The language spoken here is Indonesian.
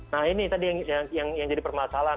nah ini tadi yang jadi permasalahan